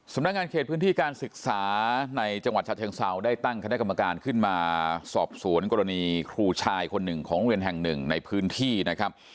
นักงานเขตพื้นที่การศึกษาในจังหวัดฉะเชิงเซาได้ตั้งคณะกรรมการขึ้นมาสอบสวนกรณีครูชายคนหนึ่งของโรงเรียนแห่งหนึ่งในพื้นที่นะครับ